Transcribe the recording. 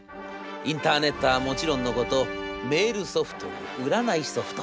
インターネットはもちろんのことメールソフトに占いソフト。